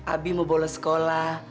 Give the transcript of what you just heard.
abi mau boles sekolah